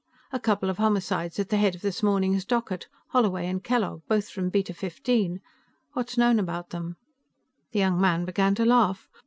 "A couple of homicides at the head of this morning's docket Holloway and Kellogg, both from Beta Fifteen. What is known about them?" The young man began to laugh.